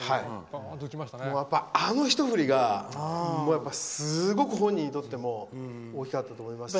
あの一振りがすごく本人にとっても大きかったと思いますし。